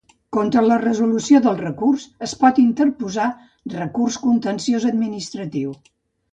Contra la resolució del recurs es pot interposar recurs contenciós administratiu.